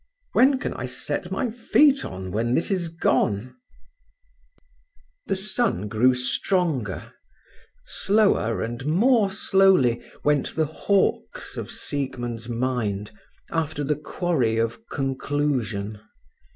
When can I set my feet on when this is gone?" The sun grew stronger. Slower and more slowly went the hawks of Siegmund's mind, after the quarry of conclusion.